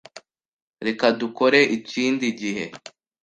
Reka dukore ikindi gihe.